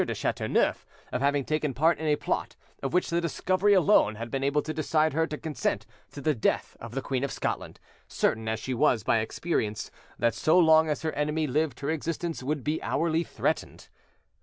de Chateauneuf of having taken part in a plot of which the discovery alone had been able to decide her to consent to the death of the Queen of Scotland, certain as she was by experience, that so long as her enemy lived her existence would be hourly threatened.